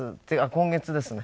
今月ですね